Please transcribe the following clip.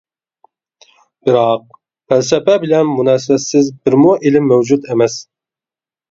بىراق، پەلسەپە بىلەن مۇناسىۋەتسىز بىرمۇ ئىلىم مەۋجۇت ئەمەس.